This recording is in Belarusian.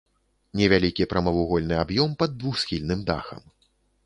Невялікі прамавугольны аб'ём пад двухсхільным дахам.